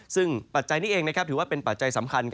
ซึ่งปัจจัยนี้เองถือว่าเป็นปัจจัยสำคัญ